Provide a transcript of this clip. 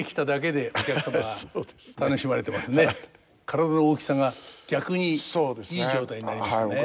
体の大きさが逆にいい状態になりましたね。